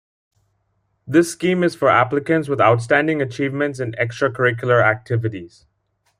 This scheme is for applicants with outstanding achievements in extracurricular activities.